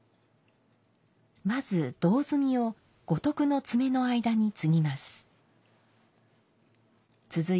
まず胴炭を五徳の爪の間につぎます。